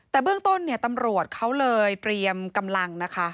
แต่เบื้องต้นเนี่ยตำรวจเขาเลยเตรียมกำลังนะคะ